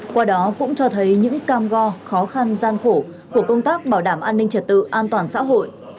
qua đó cũng cho thấy những cam go khó khăn gian khổ của công tác bảo đảm an ninh trật tự an toàn xã hội